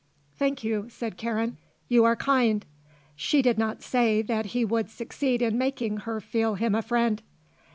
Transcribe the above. "Thank you," said Karen. "You are kind." She did not say that he would succeed in making her feel him a friend.